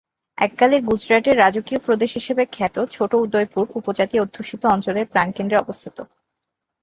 এককালে গুজরাটের রাজকীয় প্রদেশ হিসেবে খ্যাত ছোট উদয়পুর উপজাতি অধ্যুষিত অঞ্চলের প্রাণকেন্দ্রে অবস্থিত।